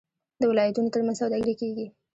د ولایتونو ترمنځ سوداګري کیږي.